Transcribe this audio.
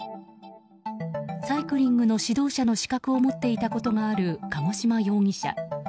サイクリングの指導者の資格を持っていたことがある鹿児島容疑者。